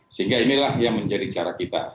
sehingga inilah yang menjadi cara kita